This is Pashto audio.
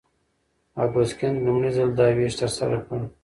اګوست کنت لومړی ځل دا ویش ترسره کړ.